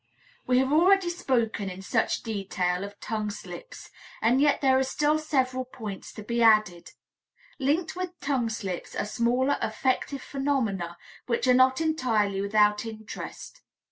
We have already spoken in such detail of tongue slips, and yet there are still several points to be added. Linked with tongue slips are smaller effective phenomena which are not entirely without interest.